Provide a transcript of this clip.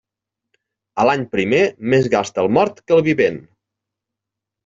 A l'any primer, més gasta el mort que el vivent.